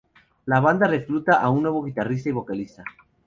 La banda recluta a un nuevo guitarrista y vocalista.